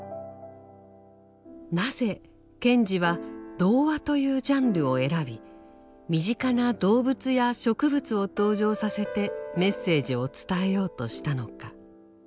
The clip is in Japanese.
なぜ賢治は童話というジャンルを選び身近な動物や植物を登場させてメッセージを伝えようとしたのか。